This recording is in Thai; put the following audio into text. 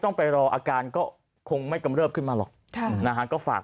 ต้องไปรออาการก็คงไม่กำเริบขึ้นมาหรอกนะฮะก็ฝาก